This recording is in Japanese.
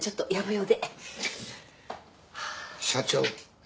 社長。